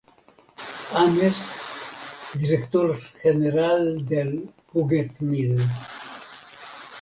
Ames, director general del "Puget Mill".